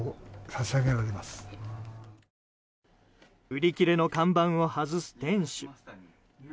売り切れの看板を外す店主。